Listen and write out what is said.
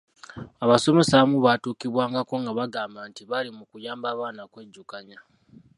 Abasomesa abamu baatuukibwangako nga bagamba nti bali mu kuyamba baana kwejjukanya.